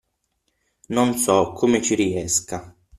Non so come ci riesca.